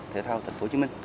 thể thao tp hcm